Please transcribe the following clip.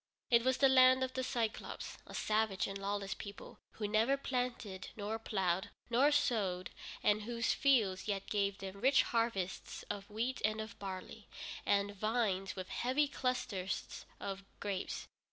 It was the Land of the Cyclôpes, a savage and lawless people, who never planted, nor plowed, nor sowed, and whose fields yet gave them rich harvests of wheat and of barley, and vines with heavy clusters of grapes.